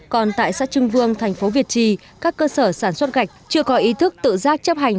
còn tại xã trưng vương thành phố việt trì các cơ sở sản xuất gạch chưa có ý thức tự giác chấp hành